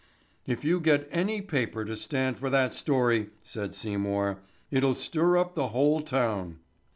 "If you get any paper to stand for that story," said Seymour, "it'll stir up the whole town."